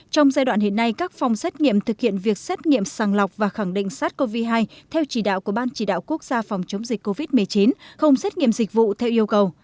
trong giai đoạn hiện nay các phòng xét nghiệm thực hiện việc xét nghiệm sàng lọc và khẳng định sars cov hai theo chỉ đạo của ban chỉ đạo quốc gia phòng chống dịch covid một mươi chín không xét nghiệm dịch vụ theo yêu cầu